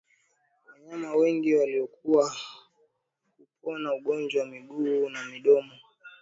Wanyama wengi waliokua hupona ugonjwa wa miguu na midomo